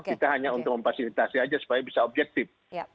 kita hanya untuk memfasilitasi aja supaya bisa objektif